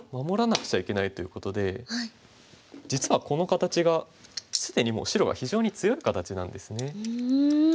守らなくちゃいけないということで実はこの形が既にもう白が非常に強い形なんですね。